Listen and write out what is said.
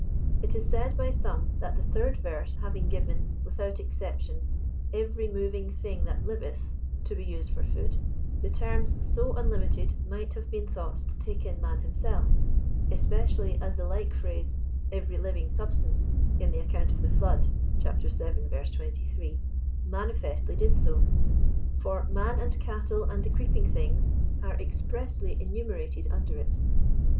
It is said by some, that the third verse having given, without exception, "every moving thing that liveth," to be used for food, the terms so unlimited might have been thought to take in man himself; especially as the like phrase, "every living substance," in the account of the flood, (vii. 23,) manifestly did'so, for "man and cattle and the creeping things" are expressly enumerated under it.